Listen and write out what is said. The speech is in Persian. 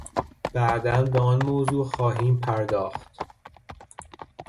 بعدا به آن موضوع خواهیم پرداخت.